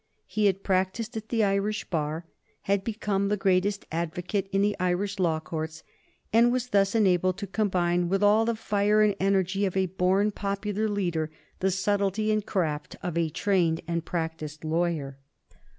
He had practised at the Irish bar, and had become the greatest advocate in the Irish law courts, and was thus enabled to combine with all the fire and energy of a born popular leader the subtlety and craft of a trained and practised lawyer.